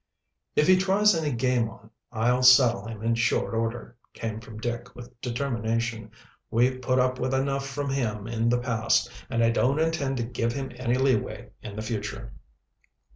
"If he tries any game on, I'll settle him in short order," came from Dick, with determination. "We've put up with enough from him in the past, and I don't intend to give him any leeway in the future."